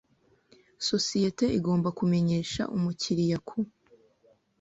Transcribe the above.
Sosiyete igomba kumenyesha umukiriya ku